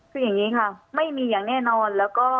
คืออย่างนี้ค่ะไม่มีอย่างแน่นอนแล้วก็